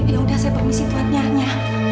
ya udah saya permisi tuan nya nya